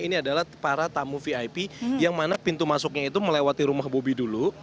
ini adalah para tamu vip yang mana pintu masuknya itu melewati rumah bobi dulu